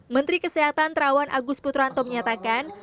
menteri kesehatan terawan agus putranto menyatakan